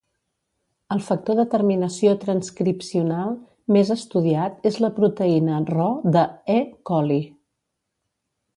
El factor de terminació transcripcional més estudiat és la proteïna Rho de "E. coli".